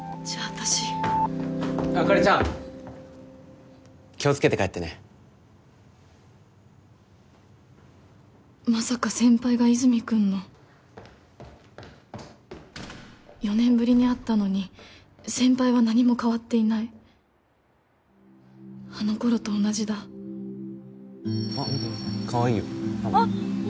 私あかりちゃん気をつけて帰ってねまさか先輩が和泉君の４年ぶりに会ったのに先輩は何も変わっていないあの頃と同じだあっ見てかわいいよカモ